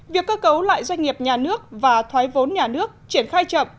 việc cơ cấu lại doanh nghiệp nhà nước và thoái vốn nhà nước triển khai chậm